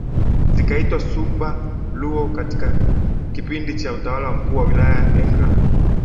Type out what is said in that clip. zikaitwa Suba Luo katika kipindi cha utawala wa mkuu wa wilaya Engram